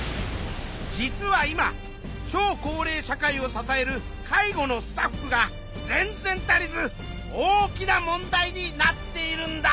実は今超高齢社会を支える介護のスタッフが全然足りず大きな問題になっているんだ。